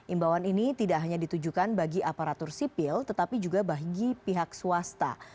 imbauan ini tidak hanya ditujukan bagi aparatur sipil tetapi juga bagi pihak swasta